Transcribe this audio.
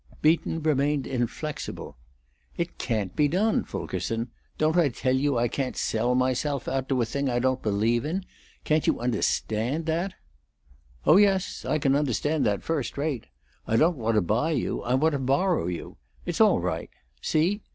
Beaton remained inflexible. "It can't be done, Fulkerson. Don't I tell you I can't sell myself out to a thing I don't believe in? Can't you understand that?" "Oh yes; I can understand that first rate. I don't want to buy you; I want to borrow you. It's all right. See?